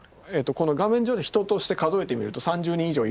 この画面上で人として数えてみると３０人以上いるんですけども。